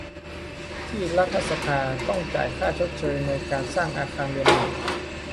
ที่รัฐสภาต้องจ่ายค่าชดเชยในการสร้างอาคารเรียนใหม่